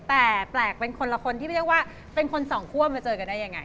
แต่แปลกเป็นคนละคนที่เรียกว่าเป็นคนสองคั่วมาเจอกันได้ยังไง